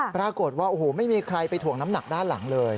ปรากฏว่าโอ้โหไม่มีใครไปถ่วงน้ำหนักด้านหลังเลย